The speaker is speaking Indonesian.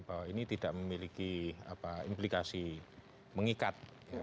bahwa ini tidak memiliki implikasi mengikat